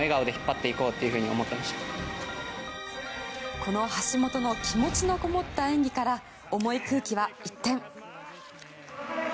この橋本の気持ちのこもった演技から重い空気は、一転。